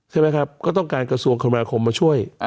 ใช่ไหมครับก็ต้องการกระทรวงคมนาคมมาช่วย